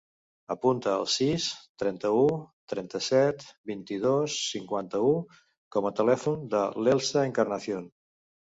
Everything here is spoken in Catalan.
Apunta el sis, trenta-u, trenta-set, vint-i-dos, cinquanta-u com a telèfon de l'Elsa Encarnacion.